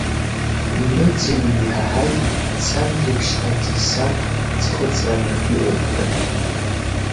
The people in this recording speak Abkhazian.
Иныҵыҩны иҳаҳаит Цанрыԥшь адесант ӡхыҵраны иҟоуп ҳәа.